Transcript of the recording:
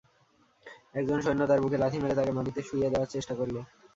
একজন সৈন্য তার বুকে লাথি মেরে তাকে মাটিতে শুইয়ে দেওয়ার চেষ্টা করল।